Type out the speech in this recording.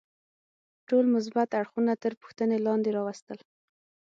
ټول مثبت اړخونه تر پوښتنې لاندې راوستل.